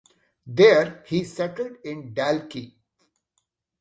There he settled in Dalkey.